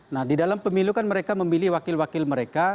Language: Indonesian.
nah di dalam pemilu kan mereka memilih wakil wakil mereka